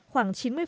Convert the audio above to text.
khoảng chín mươi tầm